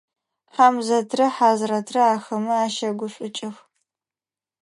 Хьамзэтрэ Хьазрэтрэ ахэмэ ащэгушӏукӏых.